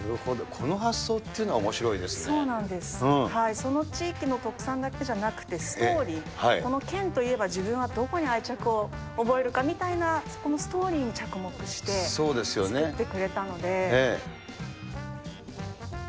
その地域の特産だけじゃなくて、ストーリー、この県といえば、自分はどこに愛着を覚えるかみたいな、そこのストーリーに着目して作ってくれたので。